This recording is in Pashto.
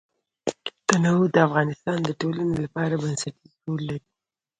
تنوع د افغانستان د ټولنې لپاره بنسټيز رول لري.